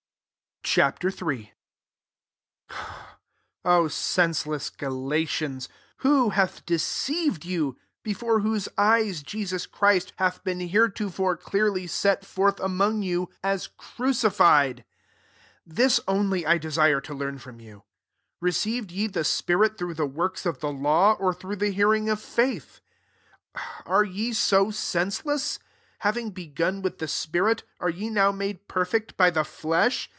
Ch. III. 1 O SENSELESS Ga latians, who hath deceived you, before whose eyes Jesus Christ hath been heretofore clearly set forth \among you\ aa crucified ? 2 This only I desire to learn from you: Received ye the spirit through the works of the law, or through the hearing of faith ? 3 Are ye so senseless ? having begun with the spirit, are ye now made perfect by the flesh